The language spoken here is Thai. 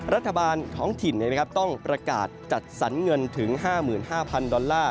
รัฐบาลท้องถิ่นต้องประกาศจัดสรรเงินถึง๕๕๐๐ดอลลาร์